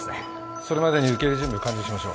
それまでに受け入れ準備を完了しましょう。